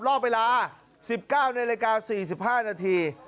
รอบเวลา๑๙ในรายการ๔๕นาที